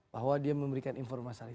bahwa dia memberikan informasi